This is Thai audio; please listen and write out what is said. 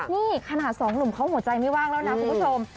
นี่ขนาดสองหนุ่มเขาหัวใจไม่ว่างแล้วนะคุณผู้ชม